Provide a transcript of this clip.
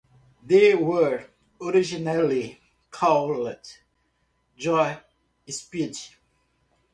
They were originally called Joyspeed.